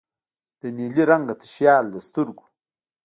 د نیلي رنګه تشیال له سترګو